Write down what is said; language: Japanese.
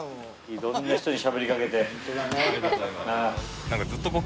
いろんな人にしゃべりかけて。